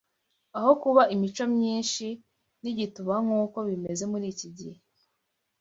aho kuba imico myinshi nigituba nkuko bimeze muri iki gihe